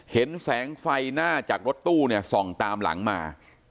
เห็นแสงไฟหน้าจากรถตู้เนี่ยส่องตามหลังมา